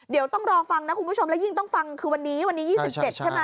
เดี๋ยวต้องรอฟังนะคุณผู้ชมและยิ่งต้องฟังคือวันนี้วันนี้๒๗ใช่ไหม